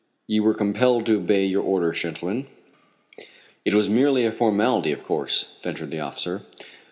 "You were compelled to obey your orders, gentlemen." "It was merely a formality, of course," ventured the officer.